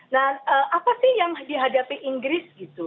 nah apa sih yang dihadapi inggris gitu